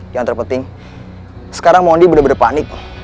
yang terpenting sekarang mondi bener bener panik